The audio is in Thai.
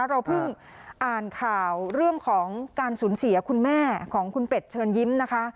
เราเพิ่งอ่านข่าวเรื่องของการสูญเสียคุณแม่ของคุณเป็ดเชิญยิ้มนะคะ